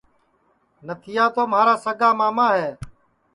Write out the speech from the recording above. نتھیا تو مھارا سگا ماما ہے